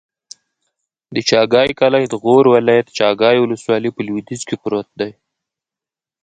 د چاګای کلی د غور ولایت، چاګای ولسوالي په لویدیځ کې پروت دی.